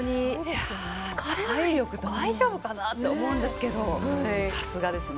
体力、大丈夫かなと思うんですけど、さすがですね。